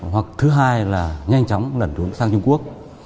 hoặc thứ hai là nhanh chóng lẩn trốn sang trung quốc